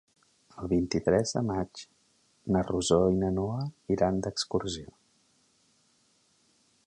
El vint-i-tres de maig na Rosó i na Noa iran d'excursió.